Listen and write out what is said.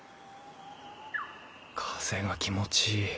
風が気持ちいい。